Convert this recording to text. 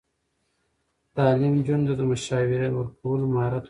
تعلیم نجونو ته د مشاوره ورکولو مهارت ورکوي.